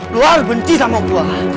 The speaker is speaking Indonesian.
lu harus benci sama gue